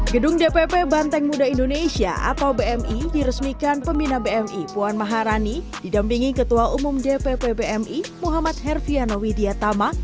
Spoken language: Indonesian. gedung dpp banteng muda indonesia atau bmi diresmikan pemina bmi puan maharani didampingi ketua umum dpp bmi muhammad herfiano widiatama